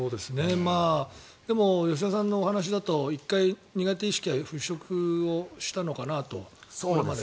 でも吉田さんのお話だと１回、苦手意識は払しょくをしたのかなと。